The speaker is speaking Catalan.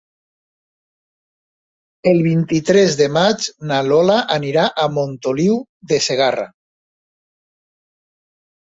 El vint-i-tres de maig na Lola anirà a Montoliu de Segarra.